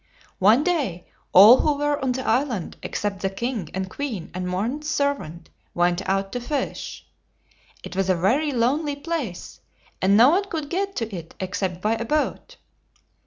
One day, all who were on the is land, except the king and queen and one servant, went out to fish. It was a very lonely place, and no one could get to it except by a boat.